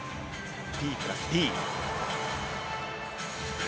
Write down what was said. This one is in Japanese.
ＤプラスＤ。